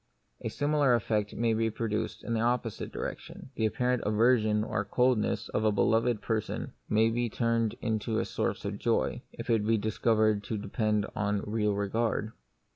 A similar effect may be produced in the opposite direc tion : the apparent aversion or coldness of a beloved person may be turned into a source of joy, if it be discovered to depend upon a real regard.